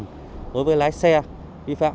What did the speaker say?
đối với lái xe vi phạm